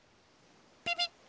ピピッ！